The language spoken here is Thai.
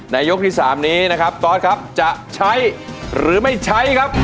ยกที่๓นี้นะครับตอสครับจะใช้หรือไม่ใช้ครับ